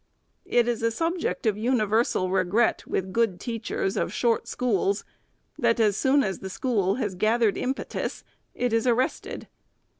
It, is a subject of universal regret with good teachers of short schools, that as soon as the school has gathered impetus, it is arrested.